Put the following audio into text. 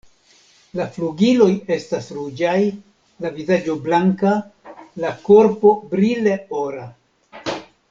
La flugiloj estas ruĝaj, la vizaĝo blanka, la korpo brile ora.